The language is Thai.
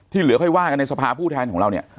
เหลือค่อยว่ากันในสภาผู้แทนของเราเนี่ย